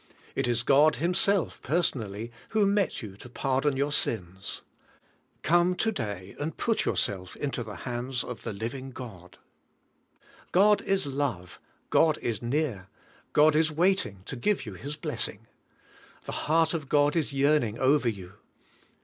It is God Himself, personally, who met you to pardon your sins. Come to day and put yourself into the hands of the living God. God is love. God is near. God is waiting to give you His blessing. The heart of God is yearning over you.